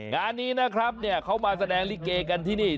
งานนี้นะครับเขามาแสดงลิเกกันที่นี่